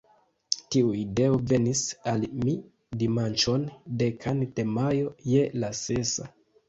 Tiu ideo venis al mi dimanĉon, dekan de majo, je la sesa.